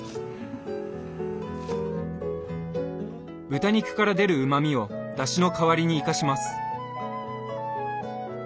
豚肉から出るうまみをだしの代わりに生かします。